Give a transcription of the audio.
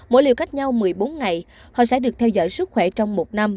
mỗi liều cách nhau một mươi bốn ngày họ sẽ được theo dõi sức khỏe trong một năm